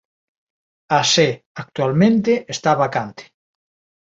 A sé actualmente está vacante.